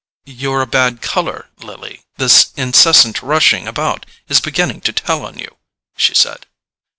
"You're a bad colour, Lily: this incessant rushing about is beginning to tell on you," she said.